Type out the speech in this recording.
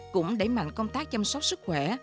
cũng đẩy mạnh công tác chăm sóc sức khỏe